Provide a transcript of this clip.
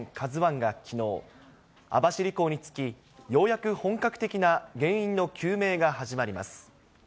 ＫＡＺＵＩがきのう、網走港に着き、ようやく本格な原因の究明が始まります。